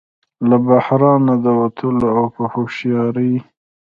له بحران نه د وتلو او په هوښیارۍ